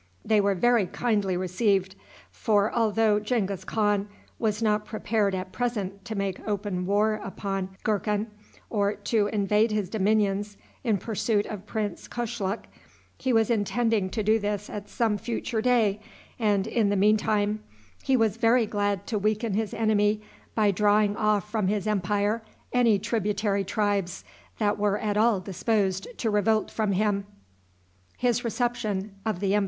They were very kindly received; for, although Genghis Khan was not prepared at present to make open war upon Gurkhan, or to invade his dominions in pursuit of Prince Kushluk, he was intending to do this at some future day, and, in the mean time, he was very glad to weaken his enemy by drawing off from his empire any tributary tribes that were at all disposed to revolt from him.